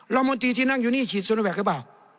มนตรีที่นั่งอยู่นี่ฉีดโซโนแวคหรือเปล่า